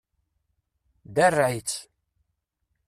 Derreɛ-itt!